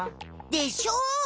でしょう？